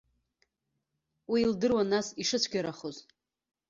Уи илдыруан нас ишыцәгьарахоз.